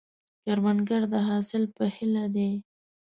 کروندګر د حاصل په هیله دی